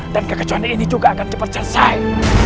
dan kekejuan ini juga akan dipercayai